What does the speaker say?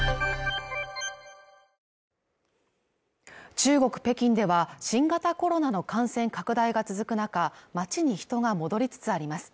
中国北京では新型コロナの感染拡大が続く中街に人が戻りつつあります